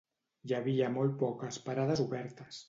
Hi havia molt poques parades obertes